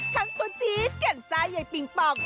ทั้งตนจี๊ดกันซ้ายได้พิงโป้ง